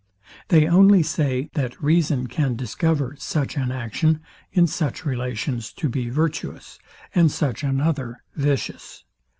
They only say, that reason can discover such an action, in such relations, to be virtuous, and such another vicious.